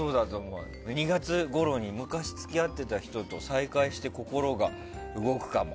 ２月ごろに昔付き合っていた人と再会して心が動くかも。